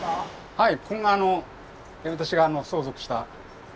はい。